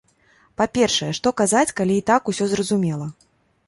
Па-першае, што казаць, калі і так усё зразумела?